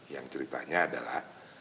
yang ceritanya adalah